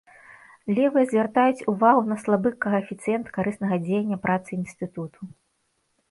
Левыя звяртаюць увагу на слабы каэфіцыент карыснага дзеяння працы інстытуту.